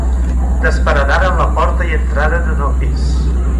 Desparedaren la porta i entraren en el pis.